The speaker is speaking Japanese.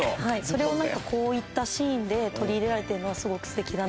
それをこういったシーンで取り入れられてるのはすごく素敵だなと思いました。